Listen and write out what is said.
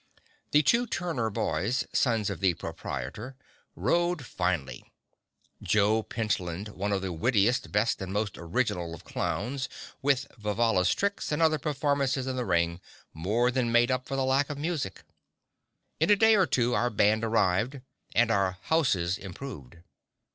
The two Turner boys, sons of the proprietor, rode finely. Joe Pentland, one of the wittiest, best, and most original of clowns, with Vivalla's tricks and other performances in the ring, more than made up for the lack of music. In a day or two our band arrived and our "houses" improved.